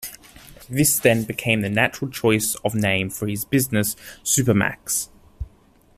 This then became the natural choice of name for his business, "Supermac's".